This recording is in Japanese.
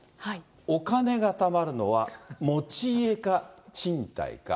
お金がたまるのは、持ち家か賃貸か。